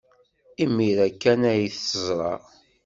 Imir-a kan ay t-teẓra.